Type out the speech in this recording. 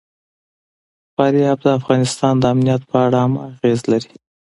فاریاب د افغانستان د امنیت په اړه هم اغېز لري.